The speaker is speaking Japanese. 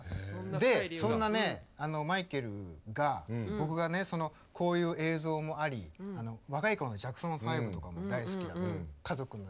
でそんなねマイケルが僕がこういう映像もあり若い頃のジャクソン５とかも大好きだったの。